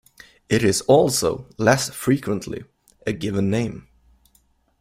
It is also, less frequently, a given name.